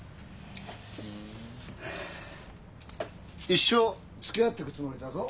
一生つきあってくつもりだぞ。